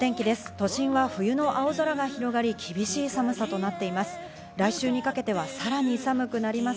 都心は冬の青空が広がり、厳しい寒さとなっています。